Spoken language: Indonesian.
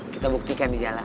kita buktikan di jalan